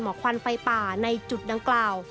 ควันไฟป่าในจุดดังกล่าว